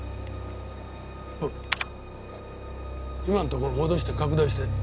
今んところ戻して拡大して。